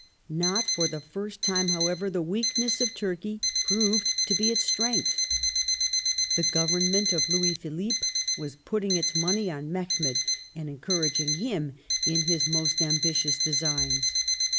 Not for the first time, however, the weakness of Turkey proved to be its strength. The Government of Louis Philippe was putting its money on Mehemet, and encouraging him in his most ambitious designs.